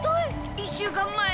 １週間前？